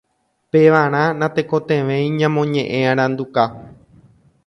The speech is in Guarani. Pevarã natekotevẽi ñamoñe'ẽ aranduka.